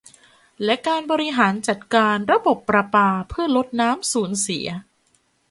และการบริหารจัดการระบบประปาเพื่อลดน้ำสูญเสีย